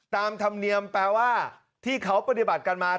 ตามธรรมเนียมแปลว่าที่เขาปฏิบัติกันมา